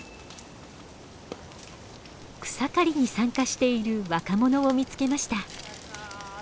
草刈りに参加している若者を見つけました。